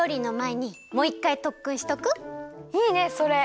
いいねそれ。